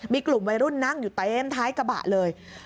มีกลุ่มวัยรุ่นนั่งอยู่เต็มท้ายกระบะเลย